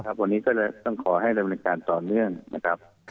วันนี้ก็เลยต้องขอให้ดำเนินการต่อเนื่องนะครับ